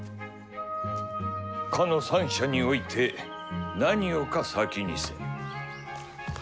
「斯の三者に於いて何をか先にせん」。